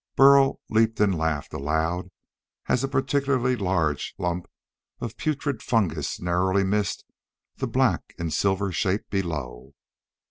Burl leaped and laughed aloud as a particularly large lump of putrid fungus narrowly missed the black and silver shape below.